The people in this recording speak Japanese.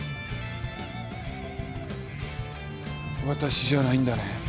わたしじゃないんだね？